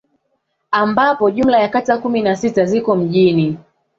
Ambapo jumla ya kata kumi na sita ziko mjini